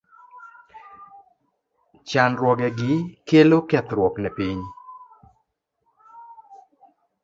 Chandruogegi kelo kethruok ne piny.